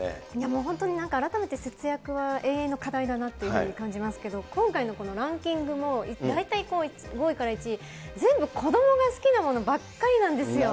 もう本当に改めて節約は永遠の課題だなっていうふうに感じますけども、今回のランキングも、大体、５位から１位、全部、子どもが好きなものばっかりなんですよ。